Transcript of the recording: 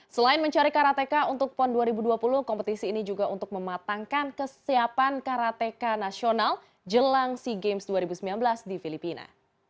selain mencari karateka untuk pon dua ribu dua puluh kompetisi ini juga untuk mematangkan kesiapan karateka nasional jelang sea games dua ribu sembilan belas di filipina